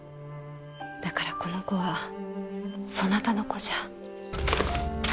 だからこの子はそなたの子じゃ。